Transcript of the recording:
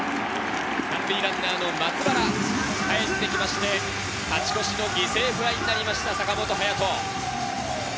３塁ランナー・松原がかえって来て勝ち越し犠牲フライになりました坂本勇人。